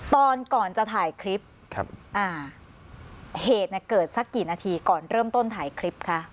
ตอนก่อนจะถ่ายคลิปเหตุเนี่ยเกิดสักกี่นาทีก่อนเริ่มต้นถ่ายคลิปคะ